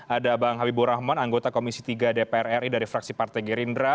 ada bang habibur rahman anggota komisi tiga dpr ri dari fraksi partai gerindra